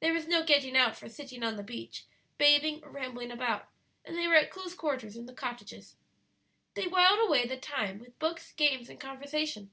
There was no getting out for sitting on the beach, bathing, or rambling about, and they were at close quarters in the cottages. They whiled away the time with books, games, and conversation.